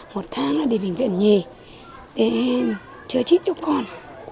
một tháng là đi bệnh viện nhì để chữa trích cho con